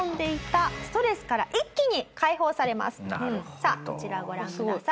さあこちらをご覧ください。